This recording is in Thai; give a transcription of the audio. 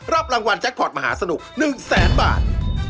รับรางวัลแจ็คพอร์ตมหาสนุก๑แสนบาท